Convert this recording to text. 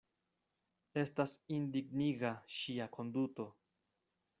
Estas indigniga ŝia konduto.